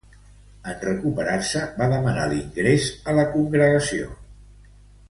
En recuperar-se, va demanar l'ingrés a la congregació.